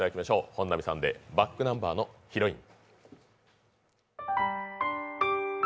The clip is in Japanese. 本並さんでｂａｃｋｎｕｍｂｅｒの「ヒロイン」。